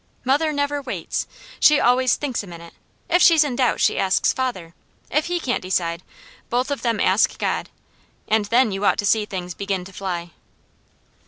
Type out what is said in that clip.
Mother never waits. She always thinks a minute, if she's in doubt she asks father; if he can't decide, both of them ask God; and then you ought to see things begin to fly.